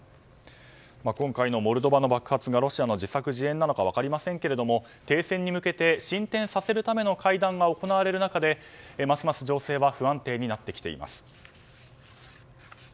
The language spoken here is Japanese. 今回のモルドバの爆発がロシアの自作自演か分かりませんけれども停戦に向けて進展させるための会談が行われる中でますます情勢は不安定になってきています。